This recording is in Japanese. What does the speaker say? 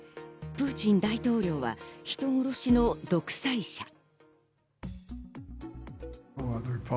プーチン大統領は人殺しの独裁者。